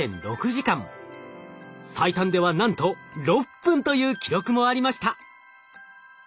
最短ではなんと６分という記録もありました。